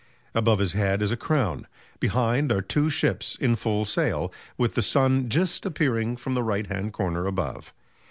Above his head is a crown; behind are two ships in full sail, with the sun just appearing from the right hand corner above.